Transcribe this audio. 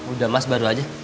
udah mas baru aja